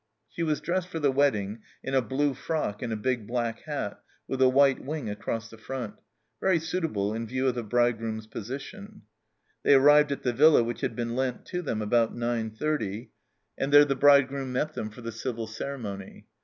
She was dressed for the wedding in a blue frock and a big black hat, with a white wing across the front very suitable in view of the bridegroom's position. They arrived at the villa which had been lent to them about 9.30, and there 260 THE CELLAR HOUSE OF PERVYSE the bridegroom met them for the civil ceremony.